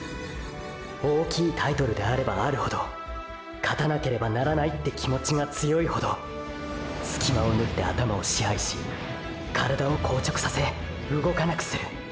大きいタイトルであればあるほど勝たなければならないって気持ちが強いほどスキマをぬって頭を支配し体を硬直させ動かなくする！！